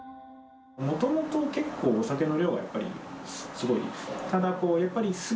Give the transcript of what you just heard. もともと結構、お酒の量がやっぱりすごいんです。